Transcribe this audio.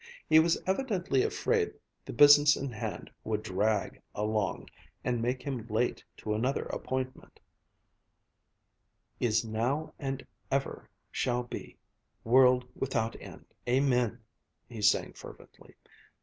He was evidently afraid the business in hand would drag along and make him late to another appointment, " is now and ever shall be, world without end. Amen!" he sang fervently.